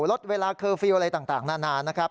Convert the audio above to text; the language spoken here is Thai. ลดเวลาเคอร์ฟิลล์อะไรต่างนานนะครับ